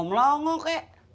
kamu juga suka